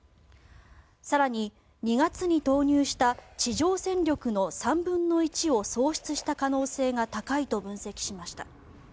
更に、２月に投入した地上戦力の３分の１を喪失した可能性が高いと分析しました。